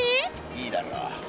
いいだろう。